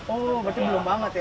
oh berarti belum banget ya